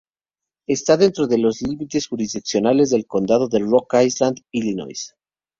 Está dentro de los límites jurisdiccionales del condado de Rock Island, Illinois.